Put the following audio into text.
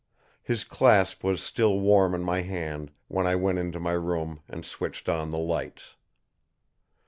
His clasp was still warm on my hand when I went into my room and switched on the lights.